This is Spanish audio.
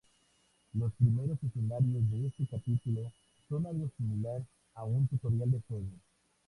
Los primeros escenarios de este capítulo son algo similar a un tutorial de juego.